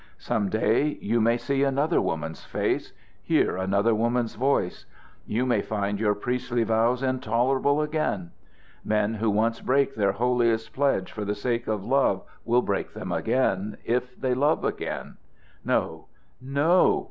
Some day you may see another woman's face hear another woman's voice. You may find your priestly vows intolerable again. Men who once break their holiest pledges for the sake of love will break them again, if they love again. No, no!